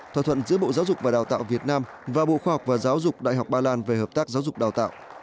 thỏa thuận giữa bộ giáo dục và đào tạo việt nam và bộ khoa học và giáo dục đại học ba lan về hợp tác giáo dục đào tạo